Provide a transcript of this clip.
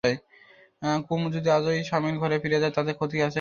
কুমু যদি আজই স্বামীর ঘরে ফিরে যায় তাতে ক্ষতি আছে কি?